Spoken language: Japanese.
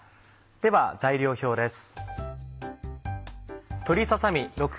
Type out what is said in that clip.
では材料表です。